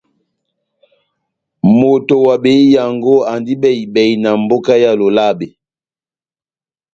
Moto wa behiyango andi bɛhi-bɛhi na mboka ya Lolabe.